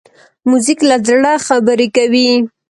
موزیک له زړه خبرې کوي.